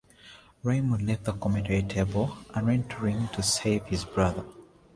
Raymond left the commentary table and ran to the ring to save his brother.